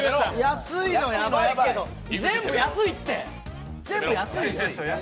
安いのヤバいけど全部安いって！